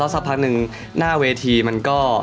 สักพักหนึ่งหน้าเวทีมันก็